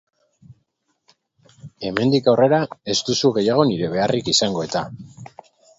Hemendik aurrera ez duzu gehiago nire beharrik izango eta.